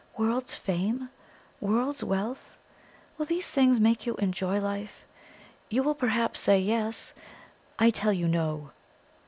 "World's fame? World's wealth? Will these things make you enjoy life? You will perhaps say yes. I tell you no.